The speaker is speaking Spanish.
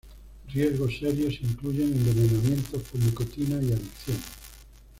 Riesgos serios incluyen envenenamiento por nicotina y adicción.